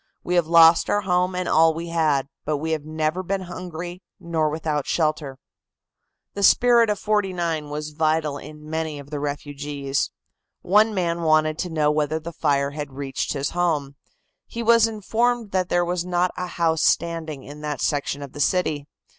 "We have lost our home and all we had, but we have never been hungry nor without shelter." The spirit of '49 was vital in many of the refugees. One man wanted to know whether the fire had reached his home. He was informed that there was not a house standing in that section of the city.